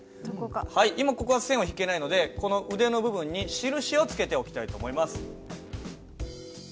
今ここは線は引けないのでこの腕の部分に印を付けておきたいと思います。